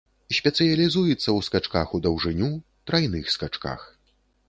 Спецыялізуецца ў скачках у даўжыню, трайных скачках.